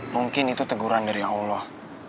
mungkin itu teguran dari allah